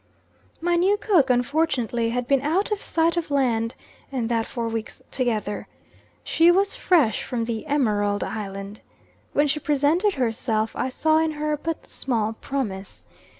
My new cook, unfortunately, had been out of sight of land, and that for weeks together. She was fresh from the Emerald Island. When she presented herself I saw in her but small promise.